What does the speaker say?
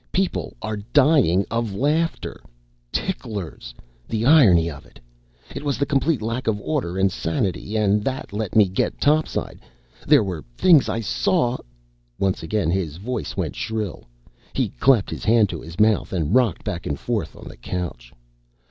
People are dying of laughter ... ticklers!... the irony of it! It was the complete lack of order and sanity and that let me get topside. There were things I saw " Once again his voice went shrill. He clapped his hand to his mouth and rocked back and forth on the couch.